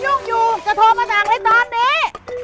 จะโทรฟังสาวอะไรตอนนี้